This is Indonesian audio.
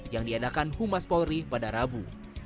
yang diadakan humas polri pada rabu